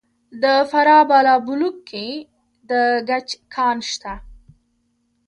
د فراه په بالابلوک کې د ګچ کان شته.